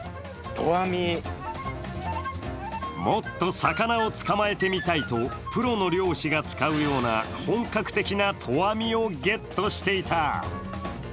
もっと魚を捕まえてみたいとプロの漁師が使うような本格的な投網をゲットしていた。